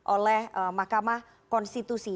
oleh makamah konstitusi